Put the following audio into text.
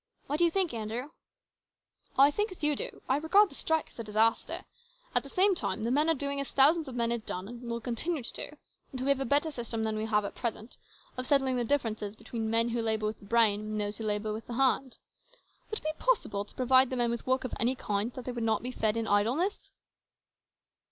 What do you think, Andrew ?"" I think as you do. I regard the strike as a disaster. At the same time, the men are doing as thousands of men have done and will continue to do, until we have a better system than we have at present of settling the differences between men who labour with the brain and those who labour with the hand. Would it be possible to provide the men with work of any kind, so that they would not be fed in idleness